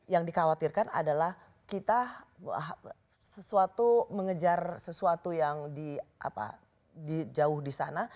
yang dikhawatirkan adalah kita sesuatu mengejar sesuatu yang jauh di sana